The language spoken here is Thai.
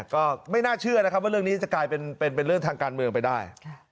ก็ไม่น่าเชื่อนะครับว่าเรื่องนี้จะกลายเป็นเรื่องทางการเมืองไปได้